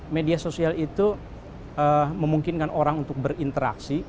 media sosial itu memungkinkan orang untuk berinteraksi